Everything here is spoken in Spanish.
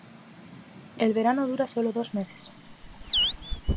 El verano dura sólo dos meses.